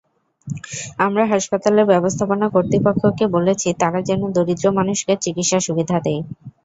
আমরা হাসপাতালের ব্যবস্থাপনা কর্তৃপক্ষকে বলেছি, তারা যেন দরিদ্র মানুষকে চিকিৎসা-সুবিধা দেয়।